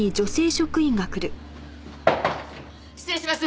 失礼します。